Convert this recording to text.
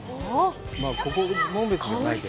まあ、紋別じゃないけど。